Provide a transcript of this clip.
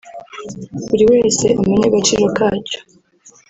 buri wese amenye agaciro kacyo